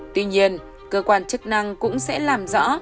tuy nhiên cơ quan chức năng cũng sẽ làm rõ